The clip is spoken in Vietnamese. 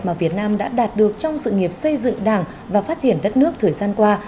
mà việt nam đã đạt được trong sự nghiệp xây dựng đảng và phát triển đất nước thời gian qua